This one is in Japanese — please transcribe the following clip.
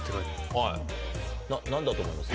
はい何だと思います？